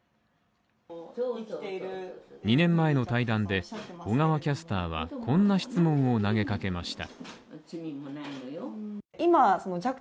２年前の対談で、小川キャスターはこんな質問を投げかけました。